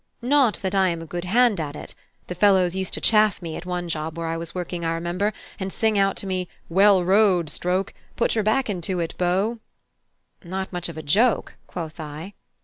Not that I am a good hand at it: the fellows used to chaff me at one job where I was working, I remember, and sing out to me, 'Well rowed, stroke!' 'Put your back into it, bow!'" "Not much of a joke," quoth I.